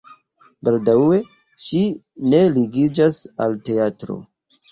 Baldaŭe ŝi ne ligiĝas al teatro.